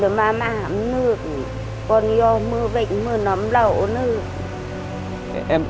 ừ ưu ấm ấm nương còn do mưa vệnh mưa ấm lỗ nương